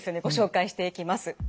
ご紹介していきます。